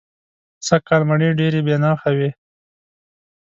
سږ کال مڼې دېرې بې نرخه وې.